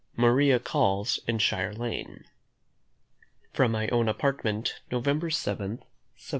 MARIA CALLS IN SHIRE LANE. From my own Apartment, November 7, 1709.